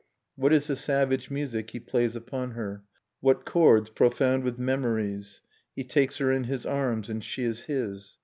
) What is the savage music he plays upon her? i What chords profound with memories? 1 He takes her in his arms, and she is his.